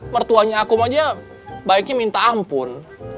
mertuanya akum aja baiknya minta ampun